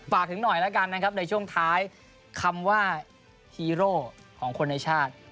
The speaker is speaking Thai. ฝากถึงหน่อยแล้วกันนะครับในช่วงท้ายคำว่าฮีโร่ของคนในชาติ